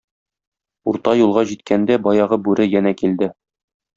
Урта юлга җиткәндә баягы бүре янә килде.